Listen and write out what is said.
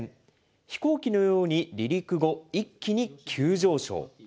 飛行機のように離陸後、一気に急上昇。